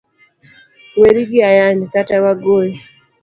weri gi ayany, kata wagoyi.